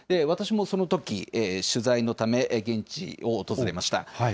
私もそのとき取材のため、現地を訪れました。